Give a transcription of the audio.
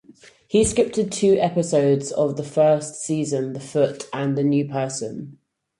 He scripted two episodes of the first season, "The Foot" and "The New Person.